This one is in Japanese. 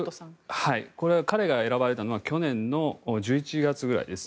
これは、彼が選ばれたのは去年の１１月ぐらいです。